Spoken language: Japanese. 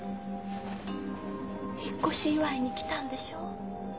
引っ越し祝に来たんでしょ？